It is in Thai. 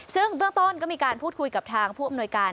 ซึ่งเบื้องต้นก็มีการพูดคุยกับทางผู้อำนวยการ